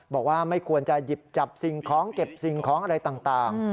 บอกว่าไม่ควรจะหยิบจับสิ่งของเก็บสิ่งของอะไรต่าง